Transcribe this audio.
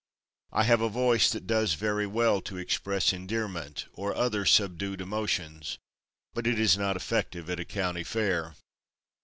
I have a voice that does very well to express endearment, or other subdued emotions, but it is not effective at a County Fair.